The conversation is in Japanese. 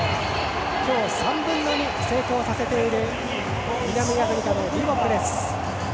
今日３分の２、成功させている南アフリカのリボックです。